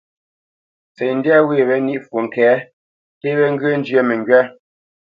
Ntsə̌ntndyâ ŋgwê wé ní fwo ŋke, nté wé ŋgyə̂ njyə́ məŋgywá.